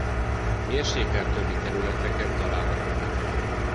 A mérsékelt övi területeken található meg.